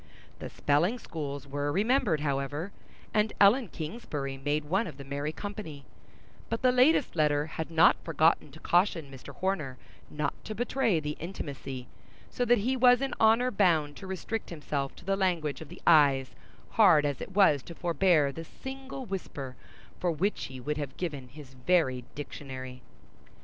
The spelling schools were remembered, however, and Ellen Kingsbury made one of the merry company; but the latest letter had not forgotten to caution Mr. Horner not to betray the intimacy; so that he was in honor bound to restrict himself to the language of the eyes hard as it was to forbear the single whisper for which he would have given his very dictionary.